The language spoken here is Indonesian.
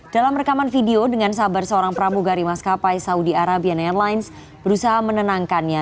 dalam rekaman video dengan sabar seorang pramugari maskapai saudi arabian airlines berusaha menenangkannya